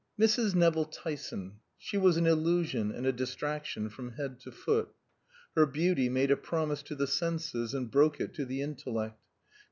Mrs. Nevill Tyson she was an illusion and a distraction from head to foot; her beauty made a promise to the senses and broke it to the intellect.